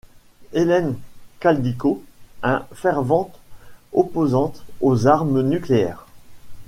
Helen Caldicott, un fervente opposante aux armes nucléaires.